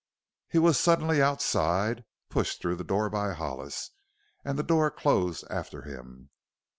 He was suddenly outside, pushed through the door by Hollis, and the door closed after him.